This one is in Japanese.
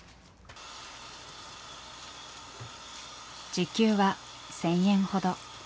時給は１，０００円ほど。